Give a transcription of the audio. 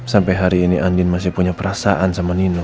sampai hari ini andin masih punya perasaan sama nino